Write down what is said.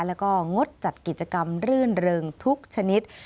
แล้วก็งดจัดกิจกรรมรื่นเริงทุกชนิด